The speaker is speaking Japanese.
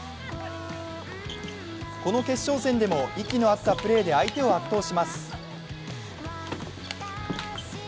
この決勝戦でも息の合ったプレーで相手を圧倒します。